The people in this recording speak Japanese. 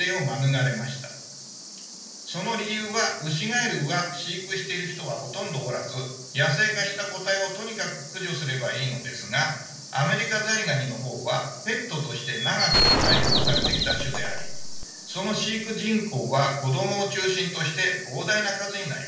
その理由はウシガエルは飼育している人はほとんどおらず野生化した個体をとにかく駆除すればいいのですがアメリカザリガニの方はペットとして長く愛好されてきた種でありその飼育人口は子供を中心として膨大な数になります。